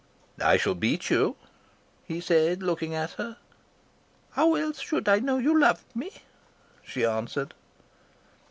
"I shall beat you,' he said, looking at her. "'How else should I know you loved me,' she answered."